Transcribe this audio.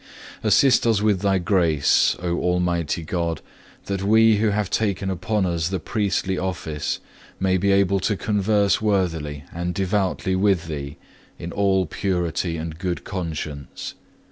Assist us with Thy grace, O Almighty God, that we who have taken upon us the priestly office, may be able to converse worthily and devoutly with Thee in all purity and good conscience.